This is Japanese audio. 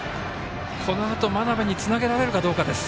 このあと真鍋につなげられるかどうかです。